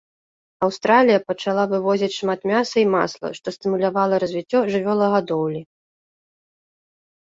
Аўстралія пачала вывозіць шмат мяса і масла, што стымулявала развіццё жывёлагадоўлі.